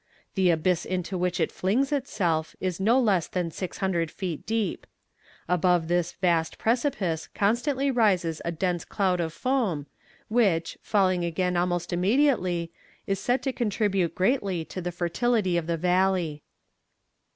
The abyss into which it flings itself, is no less than 600 feet deep. Above this vast precipice constantly rises a dense cloud of foam, which, falling again almost immediately, is said to contribute greatly to the fertility of the valley.